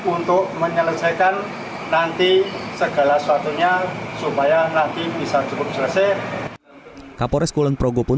untuk menyelesaikan nanti segala suatunya supaya nanti bisa cukup selesai kapolres kulon progo pun